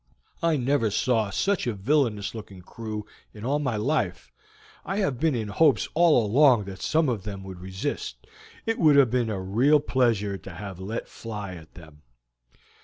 I never saw such a villainous looking crew in all my life. I have been in hopes all along that some of them would resist; it would have been a real pleasure to have let fly at them."